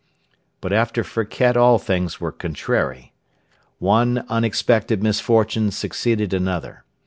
But after Firket all things were contrary. One unexpected misfortune succeeded another.